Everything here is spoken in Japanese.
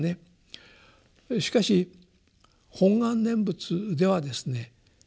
しかし本願念仏ではですね